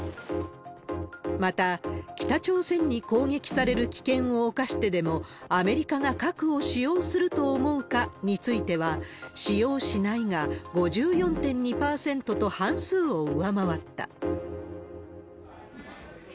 また、北朝鮮に攻撃される危険を冒してでも、アメリカが核を使用すると思うかについては、使用しないが５４．２％と半数を上回った。